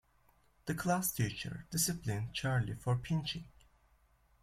The classteacher disciplined Charlie for pinching.